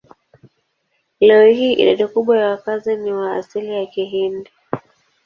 Leo hii idadi kubwa ya wakazi ni wa asili ya Kihindi.